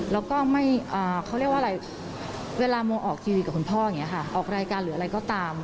แล้วก็ไม่เขาเรียกว่าอะไรเวลาโมออกทีวีกับคุณพ่ออย่างนี้ค่ะออกรายการหรืออะไรก็ตาม